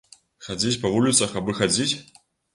Хадзіць па вуліцах абы хадзіць?